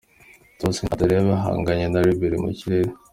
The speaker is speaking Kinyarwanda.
Tosin Adarabioyo ahanganye na Ribbery mu kirere.